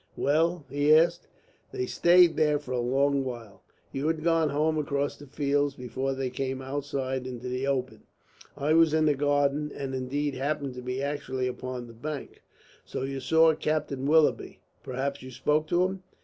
"Well?" he asked. "They stayed there for a long while. You had gone home across the fields before they came outside into the open. I was in the garden, and indeed happened to be actually upon the bank." "So you saw Captain Willoughby. Perhaps you spoke to him?"